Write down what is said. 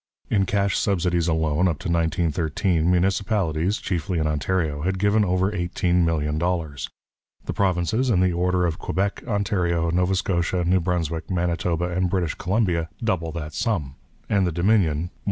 In cash subsidies alone, up to 1913, municipalities, chiefly in Ontario, had given over $18,000,000; the provinces, in the order of Quebec, Ontario, Nova Scotia, New Brunswick, Manitoba, and British Columbia, double that sum; and the Dominion $163,000,000.